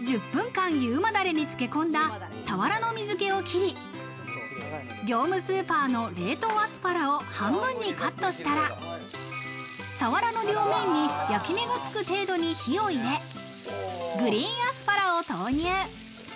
１０分間、優馬ダレにつけ込んだサワラの水けを切り、業務スーパーの冷凍アスパラを半分にカットしたら、さわらの両面に焼き目がつく程度に火を入れ、グリーンアスパラを投入。